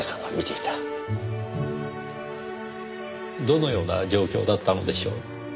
どのような状況だったのでしょう？